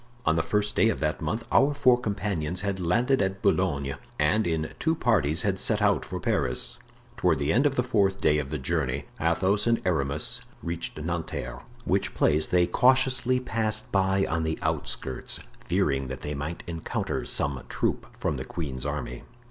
On the first day of that month our four companions had landed at Boulogne, and, in two parties, had set out for Paris. Toward the end of the fourth day of the journey Athos and Aramis reached Nanterre, which place they cautiously passed by on the outskirts, fearing that they might encounter some troop from the queen's army.